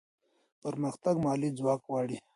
پرمختګ مالي ځواک غواړي.